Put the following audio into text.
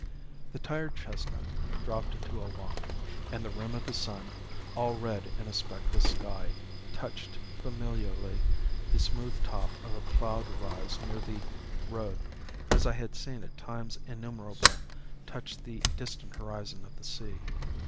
The tired chestnut dropped into a walk; and the rim of the sun, all red in a speckless sky, touched familiarly the smooth top of a ploughed rise near the road as I had seen it times innumerable touch the distant horizon of the sea.